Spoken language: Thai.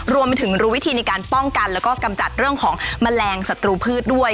รวมไปถึงรู้วิธีในการป้องกันแล้วก็กำจัดเรื่องของแมลงศัตรูพืชด้วย